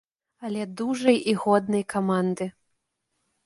Але дужай і годнай каманды!